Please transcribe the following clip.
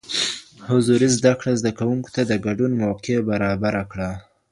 حضوري زده کړه زده کوونکو ته د ګډون موقع برابر کړه.